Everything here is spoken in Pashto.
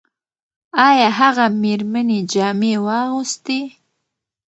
ایا هغه مېرمنې جامې واغوستې؟